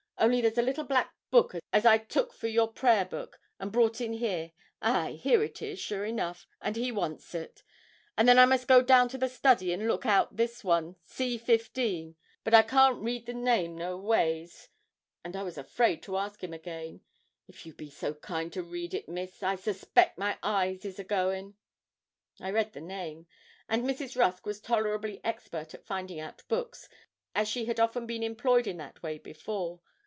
Only there's a little black book as I took for your prayer book, and brought in here; ay, here it is, sure enough, and he wants it. And then I must go down to the study, and look out this one, "C, 15;" but I can't read the name, noways; and I was afraid to ask him again; if you be so kind to read it, Miss I suspeck my eyes is a going.' I read the name; and Mrs. Rusk was tolerably expert at finding out books, as she had often been employed in that way before.